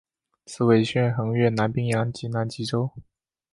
此纬线横越南冰洋及南极洲。